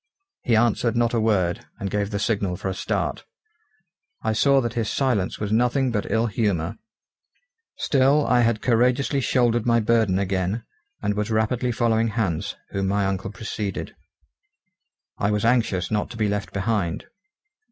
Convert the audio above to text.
He answered not a word, and gave the signal for a start. I saw that his silence was nothing but ill humour. Still I had courageously shouldered my burden again, and was rapidly following Hans, whom my uncle preceded. I was anxious not to be left behind.